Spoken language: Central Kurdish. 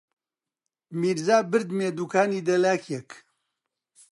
میرزا بردمییە دووکانی دەلاکێک